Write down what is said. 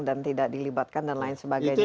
dan tidak dilibatkan dan lain sebagainya